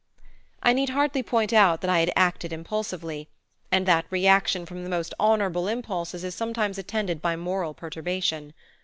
I need hardly point out that I had acted impulsively, and that reaction from the most honorable impulses is sometimes attended by moral perturbation.